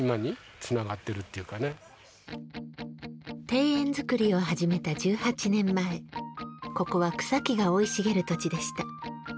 庭園作りをはじめた１８年前ここは草木が生い茂る土地でした。